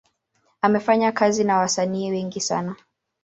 Amefanya kazi na wasanii wengi sana.